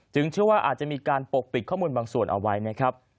เชื่อว่าอาจจะมีการปกปิดข้อมูลบางส่วนเอาไว้นะครับ